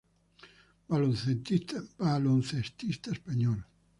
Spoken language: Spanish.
Baloncestista español.